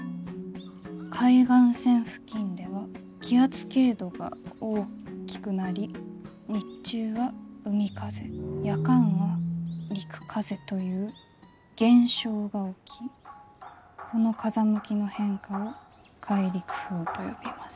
「海岸線付近では気圧傾度が大きくなり日中は海風夜間は陸風という現象が起きこの風向きの変化を海陸風と呼びます」。